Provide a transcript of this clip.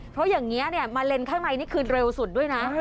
เพราะอย่างนี้มาเลนข้างในนี่คือเร็วสุดด้วยนะ